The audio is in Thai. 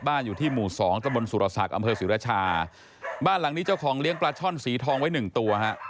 อยู่ที่หมู่สองตะบนสุรศักดิ์อำเภอศรีรชาบ้านหลังนี้เจ้าของเลี้ยงปลาช่อนสีทองไว้หนึ่งตัวฮะ